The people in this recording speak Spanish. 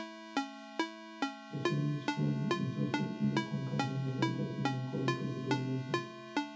Es un disco introspectivo, con canciones lentas, melancólicas y dolorosas.